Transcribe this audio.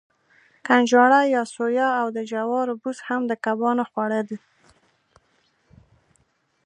کنجاړه یا سویا او د جوارو بوس هم د کبانو خواړه دي.